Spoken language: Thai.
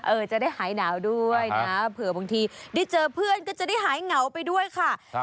จะได้หายหนาวด้วยนะเผื่อบางทีได้เจอเพื่อนก็จะได้หายเหงาไปด้วยค่ะ